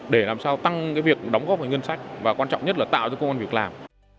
để làm sao tăng việc đóng góp về ngân sách và quan trọng nhất là tạo ra công an việc làm